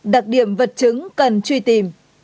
đặc điểm vật chứng cần truy tìm